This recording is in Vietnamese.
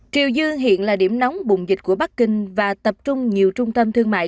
triều dư hiện là điểm nóng bùng dịch của bắc kinh và tập trung nhiều trung tâm thương mại